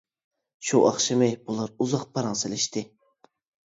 شۇ ئاخشىمى بۇلار ئۇزاق پاراڭ سېلىشتى.